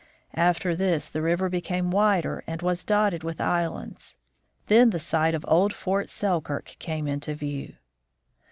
After this the river became wider and was dotted with islands ; then the site of old Fort Selkirk came into view.